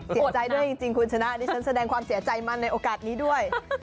เสียใจด้วยจริงคุณชนะดิฉันแสดงความเสียใจมาในโอกาสนี้ด้วย